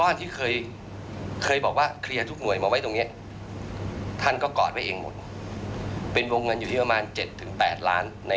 แล้วทำยังไง